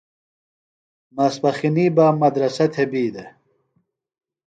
ماسپخِنیۡ بہ مدرسہ تھےۡ بیۡ دےۡ۔